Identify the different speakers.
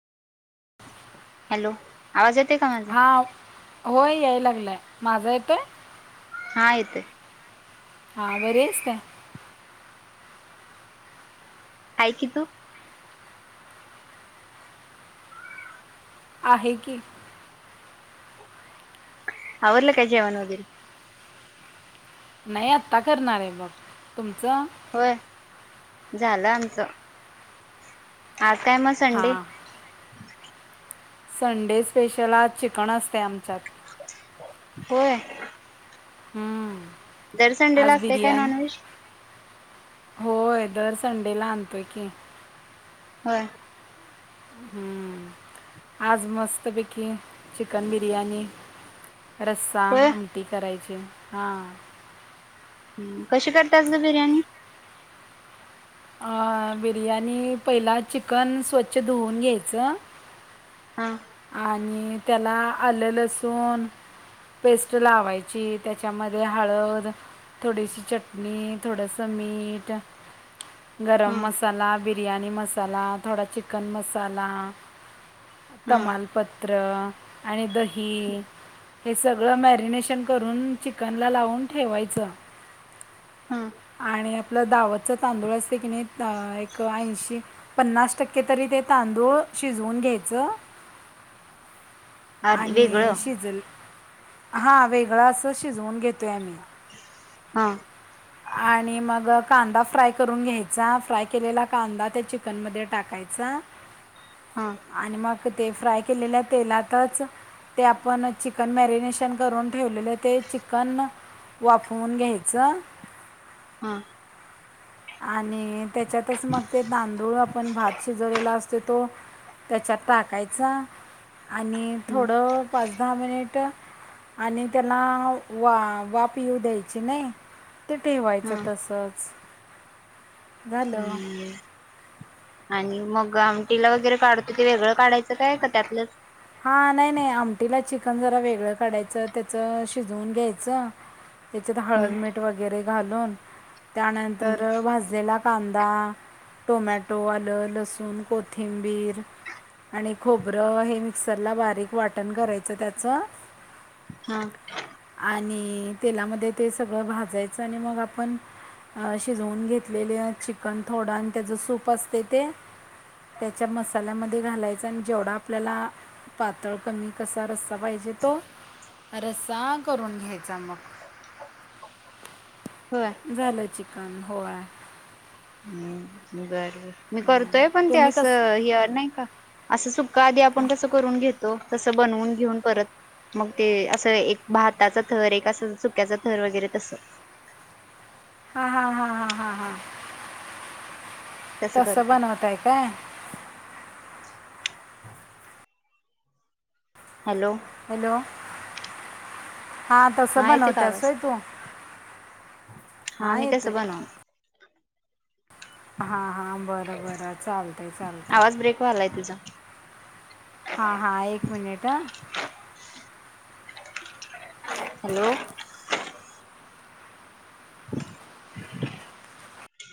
Speaker 1: Hello! आवाज येते का माझा
Speaker 2: हा होय. यायला लागलंय माझा येतोय
Speaker 1: हा येतोय.
Speaker 2: हा बरी आहेस का?
Speaker 1: आहे की तू,
Speaker 2: आहे की.
Speaker 1: आवरलं का जेवण वैगेरे?
Speaker 2: नाही आत्ता करणार आहे बघ तुमचं
Speaker 1: होय झालं आमचं आज काय मग संडे
Speaker 2: हां संडे स्पेशल आज चिकन असते आमच्यात
Speaker 1: होय.
Speaker 2: हम्म
Speaker 1: दर संडेला
Speaker 2: आज
Speaker 1: असते काय
Speaker 2: बिरयाणी
Speaker 1: नॉनव्हेज
Speaker 2: होय. दर संडेला आणतोय की,
Speaker 1: होय.
Speaker 2: आज मस्तपैकी चिकन बिर्याणी. रस्सा
Speaker 1: होय
Speaker 2: आमटी करायची हा
Speaker 1: ह कशी करतेस गं बिर्याणी
Speaker 2: बिर्याणी पहिला चिकन स्वच्छ धुवून घ्यायचं.
Speaker 1: हा
Speaker 2: आणि त्याला आलं लसून पेस्ट लावायची त्याच्यामध्ये हळद थोडीशी चटणी, थोडासा मीठ
Speaker 1: हा
Speaker 2: गरम मसाला, बिरयाणी मसाला, थोडा चिकनमसाला
Speaker 1: हा
Speaker 2: तमालपत्र आणि दही हे सगळं मॅरिनेशन करून चिकनला लावून ठेवायचं
Speaker 1: हा
Speaker 2: आणि आपलं दावतच तांदूळ असते की नाही एक ऐंशी पन्नास टक्के तरी ते तांदूळ शिजवून घ्यायचं
Speaker 1: आधी
Speaker 2: आणि
Speaker 1: वेगळं
Speaker 2: शिजल हा वेगळं असं शिजवून घेतोय आम्ही
Speaker 1: हा
Speaker 2: आणि मग कांदा फ्राय करून घ्यायचा फ्राय केलेला कांदा त्या चिकनमध्ये टाकायचा
Speaker 1: हा
Speaker 2: आणि मग ते फ्राय केलेल्या तेलातच ते आपण चिकन मॅरिनेशन करून ठेवलेले ते चिकन वाफवून घ्यायचं
Speaker 1: हा
Speaker 2: आणि त्याच्यातच मग ते तांदूळ आपण भात शिजवलेला असत तो त्याच्यात टाकायचा आणि
Speaker 1: हम्म
Speaker 2: थोडं पाच दहा मिनिट आणि त्याला वा वा पिऊ द्यायची नाही ते
Speaker 1: हा
Speaker 2: ठेवायचं तसंच झालं
Speaker 1: हम् आणि मग आमटीला वगैरे काढतो ते वेगळं काढायचं काय का त्यातलं
Speaker 2: हा नाही नाही आमटीला चिकन जरा वेगळं काढायचं त्याच शिजवून घ्यायचं त्याच्यात हळद
Speaker 1: हम्म
Speaker 2: मीठ वगैरे घालून
Speaker 1: हम्म
Speaker 2: त्यानंतर भा ज्याला कांदा टोमॅटो आलं लसूण कोत कोथिंबीर आणि खोबरं हे मिक्सरला बारीक वाटण करायचं त्याचं
Speaker 1: हा
Speaker 2: आणि तेलामध्ये ते सगळं भाजायचं आणि मग आपण शिजवून घेतलेले चिकन थोडं आणि त्याचं सूप असते ते त्याच्या मसाल्यामध्ये घालायचं आणि जेवढा आपल्याला पातळ कमी कसा रस्सा पाहिजे तो रस्सा करून घ्यायचा मग
Speaker 1: होय
Speaker 2: झालं चिकन होळ
Speaker 1: हम्म बरर मी करतोय पण ते
Speaker 2: तुम्ही कसं
Speaker 1: असं ये नाही का असं सुका आधी आपण
Speaker 2: काय
Speaker 1: कसं करून घेतो तसं बनवून घेऊन परत मग ते असं एक भाताच थर एक असं चुक्याच थर वगैरे तस
Speaker 2: हा हा हा हा हा हा
Speaker 1: तसं
Speaker 2: तस
Speaker 1: करते
Speaker 2: बनवताय काय
Speaker 1: हॅलो
Speaker 2: हॅलो हा तसं
Speaker 1: येते का
Speaker 2: बनवत
Speaker 1: आवाज
Speaker 2: असोय तू
Speaker 1: हा
Speaker 2: हां
Speaker 1: मी
Speaker 2: येतोय
Speaker 1: तसं बनव
Speaker 2: हां हां बरं बरं चालत चालत
Speaker 1: आवाज ब्रेक वालाय तुझा
Speaker 2: हां हां एक मिनिट
Speaker 1: हॅलो